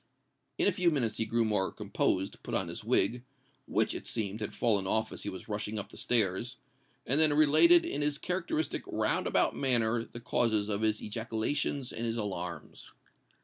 In a few minutes he grew more composed, put on his wig,—which, it seemed, bad fallen off as he was rushing up the stairs,—and then related in his characteristic round about manner the causes of his ejaculations and his alarms.